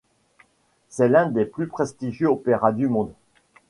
C'est l’un des plus prestigieux opéras du monde.